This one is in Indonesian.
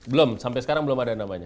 belum sampai sekarang belum ada namanya